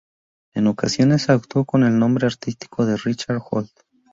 En ocasiones actuó con el nombre artístico de Richard Holt.